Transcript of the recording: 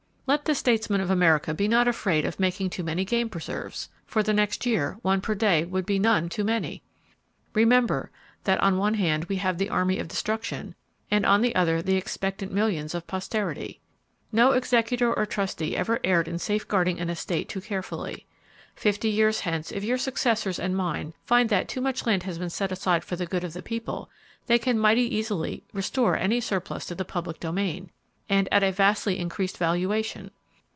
Let the statesmen of America be not afraid of making too many game preserves! For the next year, one per day would be none too many! Remember, that on one hand we have the Army of Destruction, and on the other the expectant millions of Posterity. No executor or trustee ever erred in safeguarding an estate too carefully. Fifty years hence, if your successors and mine find that too much land has been set aside for the good of the people, they can mighty easily restore any surplus to the public domain, and at a vastly increased valuation.